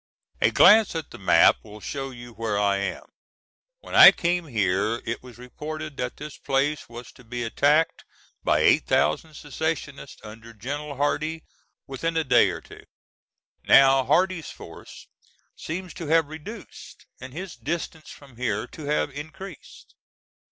A glance at the map will show you where I am. When I came here it was reported that this place was to be attacked by 8000 secessionists, under General Hardee, within a day or two. Now Hardee's force seems to have reduced, and his distance from here to have increased.